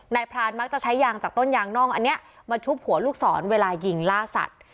พรานมักจะใช้ยางจากต้นยางน่องอันนี้มาชุบหัวลูกศรเวลายิงล่าสัตว์